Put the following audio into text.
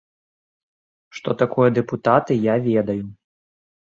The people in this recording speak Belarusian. Што такое дэпутаты, я ведаю.